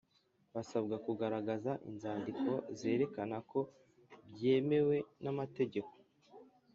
basabwa kugaragaza inzandiko zerekana ko byemewe nama tegeko